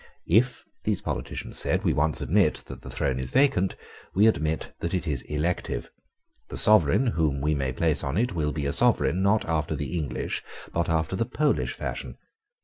If, these politicians said, we once admit that the throne is vacant, we admit that it is elective. The sovereign whom we may place on it will be a sovereign, not after the English, but after the Polish, fashion.